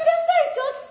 ちょっと。